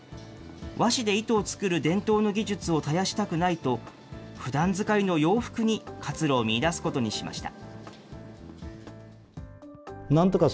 和紙で糸を作る伝統の技術を絶やしたくないと、ふだん使いの洋服に活路を見いだすことにしました。